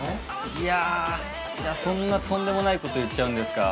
いや、そんなとんでもないこと言っちゃうんですか？